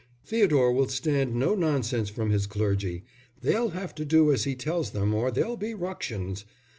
"Theodore will stand no nonsense from his clergy; they'll have to do as he tells them or there'll be ructions.